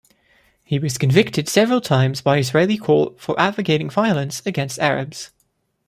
He was convicted several times by Israeli courts for advocating violence against Arabs.